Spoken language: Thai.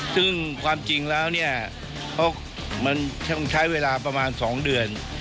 ซึ่งความจริงแล้วเนี่ยมันต้องใช้เวลาประมาณ๒เดือน